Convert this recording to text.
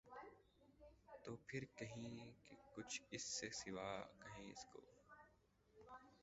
تو پھر کہیں کہ کچھ اِس سے سوا کہیں اُس کو